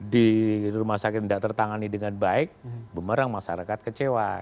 di rumah sakit tidak tertangani dengan baik bumerang masyarakat kecewa